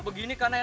begini kan enak